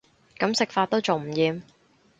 噉食法都仲唔厭